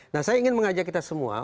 nah saya ingin mengajak kita semua